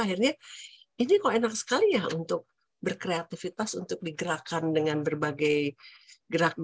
akhirnya ini kok enak sekali ya untuk berkreativitas untuk digerakkan dengan berbagai gerakan